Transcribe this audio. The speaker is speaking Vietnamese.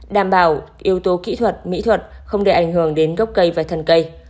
đảm bảo yếu tố kỹ thuật mỹ thuật không để ảnh hưởng đến gốc cây và thần cây